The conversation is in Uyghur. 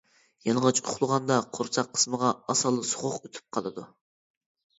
يالىڭاچ ئۇخلىغاندا قورساق قىسمىغا ئاسانلا سوغۇق ئۆتۈپ قالىدۇ.